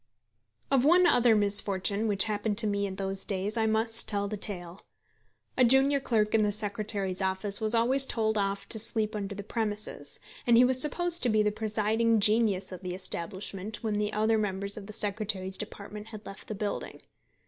Of one other misfortune which happened to me in those days I must tell the tale. A junior clerk in the secretary's office was always told off to sleep upon the premises, and he was supposed to be the presiding genius of the establishment when the other members of the Secretary's department had left the building.